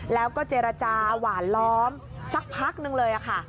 แล้วก็เจรจาหวานล้อมสักพักนึงเลยค่ะ